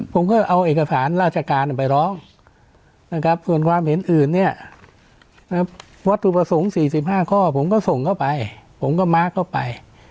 ผมก็เอาเอกสารราชการไปร้องนะครับส่วนความเห็นอื่นเนี่ยวัตถุประสงค์๔๕ข้อผมก็ส่งเข้าไปผมก็มาร์คเข้าไป